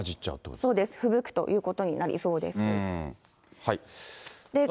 そうです、ふぶくということになりそうです。